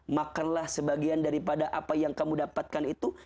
makanlah sebagian daripada apa yang kamu dapatkan itu